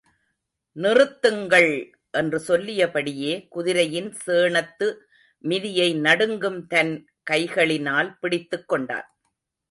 நிறுத்துங்கள்! என்று சொல்லியபடியே குதிரையின் சேணத்து மிதியை நடுங்கும் தன் கைகளினால் பிடித்துக் கொண்டான்.